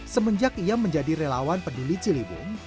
semenjak ia menjadi relawan peduli ciliwung